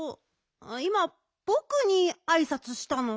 いまぼくにあいさつしたの？